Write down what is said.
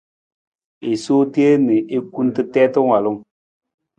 I sowa teen na i kunta tiita waalung.